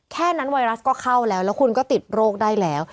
แค่นั้นไวรัสก็เข้าแล้วแล้วคุณก็ติดโรคได้แล้ว